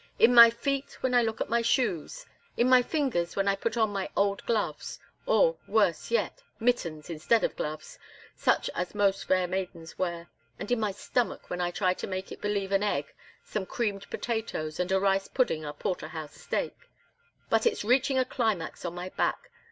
"In my feet when I look at my shoes, in my fingers when I put on my old gloves, or, worse yet, mittens instead of gloves, such as most fair maidens wear, and in my stomach when I try to make it believe an egg, some creamed potatoes, and a rice pudding are porterhouse steak. But it's reaching a climax on my back.